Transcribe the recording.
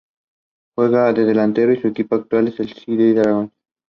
It is and only has been inhabited by Albanians exclusively.